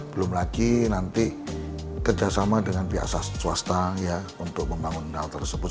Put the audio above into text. belum lagi nanti kerjasama dengan pihak swasta untuk membangun hal tersebut